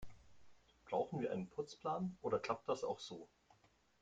Brauchen wir einen Putzplan, oder klappt das auch so?